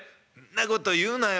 「んなこと言うなよ。